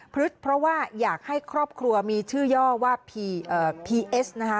พฤษฐาสินเพราะว่าอยากให้ครอบครัวมีชื่อย่อว่าพีเอส